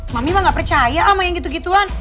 mami mah gak percaya sama yang gitu gituan